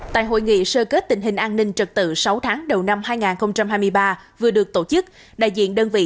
tại hội nghị sơ kết tình hình an ninh trật tự sáu tháng đầu năm hai nghìn hai mươi ba vừa được tổ chức đại diện đơn vị